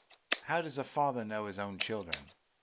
"How does a father know his own children?"